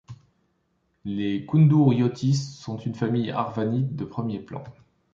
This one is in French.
Les Koundouriótis sont une famille arvanite de premier plan.